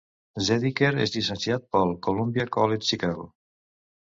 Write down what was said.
Zediker és llicenciat pel Columbia College Chicago.